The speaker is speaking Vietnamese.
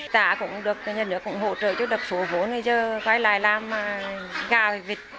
tại cũng được nhà nước cũng hỗ trợ cho được số vốn giờ quay lại làm gà và vịt